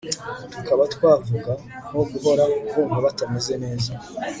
tukaba twavuga nko guhora bumva batameze neza